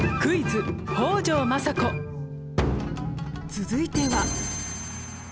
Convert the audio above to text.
続いては。